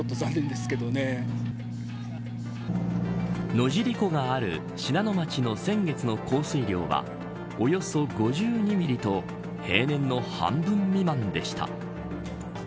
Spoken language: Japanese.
野尻湖がある信濃町の先月の降水量はおよそ５２ミリと平年の半分未満でした。